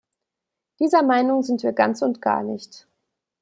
Dieser Meinung sind wir ganz und gar nicht.